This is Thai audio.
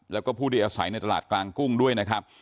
แล้วก็ผู้ที่อาศัยในตลาดกลางกุ้งด้วยนะครับ